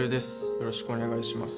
よろしくお願いします